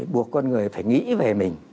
buộc con người phải nghĩ về mình